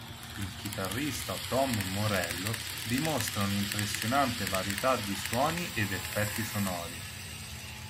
Il chitarrista Tom Morello dimostra un impressionante varietà di suoni ed effetti sonori.